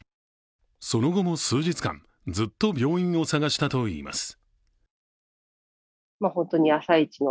その後も数日間ずっと病院を探したといいます。